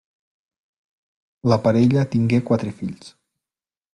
La parella tingué quatre fills.